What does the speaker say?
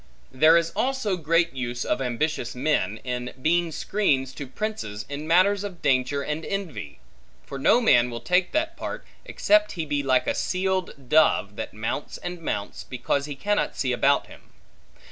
There is also great use of ambitious men, in being screens to princes in matters of danger and envy; for no man will take that part, except he be like a seeled dove, that mounts and mounts, because he cannot see about him.